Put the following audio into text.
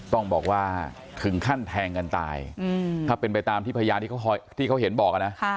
ต้องบอกว่าถึงขั้นแทงกันตายถ้าเป็นไปตามที่พยานที่เขาเห็นบอกนะ